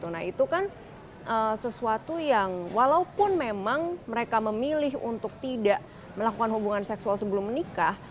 nah itu kan sesuatu yang walaupun memang mereka memilih untuk tidak melakukan hubungan seksual sebelum menikah